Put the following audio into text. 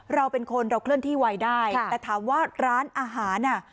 เราเป็นคนเราเคลื่อนที่ไวได้แต่ถามว่าร้านอาหารอ่ะ